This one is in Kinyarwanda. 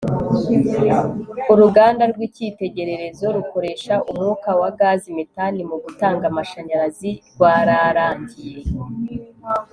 uruganda rw' icyitegererezo rukoresha umwuka wa gazi metani mu gutanga amashanyarazi rwararangiye